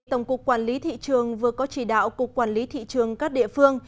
tổng cục quản lý thị trường vừa có chỉ đạo cục quản lý thị trường các địa phương